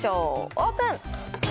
オープン。